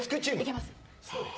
いけます。